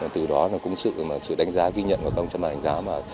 từ đó cũng sự đánh giá ghi nhận của công trình an ninh giáo